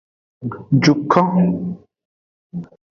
Jukon.